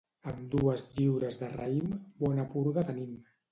Amb dues lliures de raïm bona purga tenim.